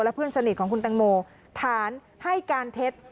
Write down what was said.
เพื่อนสนิทของคุณตังโมฐานให้การเท็จ